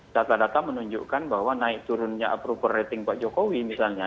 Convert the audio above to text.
data data menunjukkan bahwa naik turunnya approval rating pak jokowi misalnya